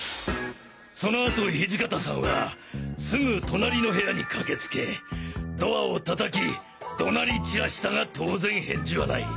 そのあと土方さんはすぐ隣の部屋に駆けつけドアを叩き怒鳴り散らしたが当然返事はない。